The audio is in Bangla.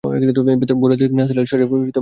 ভোররাতের দিকে নিসার আলির শরীর খারাপ লাগতে লাগল।